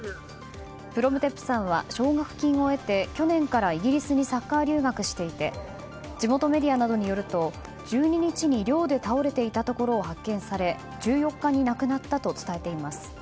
プロムテップさんは奨学金を得て去年からイギリスにサッカー留学していて地元メディアなどによると１２日に寮で倒れていたところを発見され、１４日に亡くなったと伝えています。